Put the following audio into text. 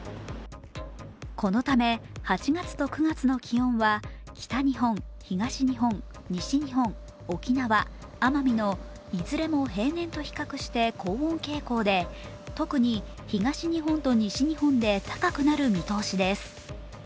このため８月と９月の気温は北日本、東日本、西日本、沖縄奄美のいずれも平年と比較して高温傾向で特に東日本と西日本で高くなる見通しです。